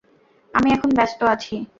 আমি এখন ব্যাস্ত আছি।